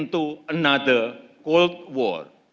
jatuh ke dalam perang panas lainnya